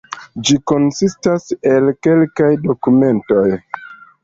Ĝi konsistas el kelkaj dokumentoj.